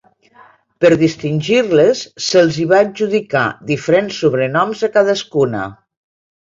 Per distingir-les, se'ls hi va adjudicar diferents sobrenoms a cadascuna.